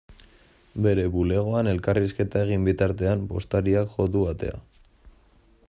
Bere bulegoan elkarrizketa egin bitartean, postariak jo du atea.